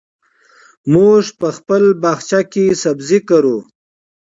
موږ په خپل باغچه کې سبزي کرو.